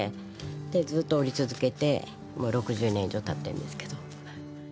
でずっと織り続けてもう６０年以上たってんですけど。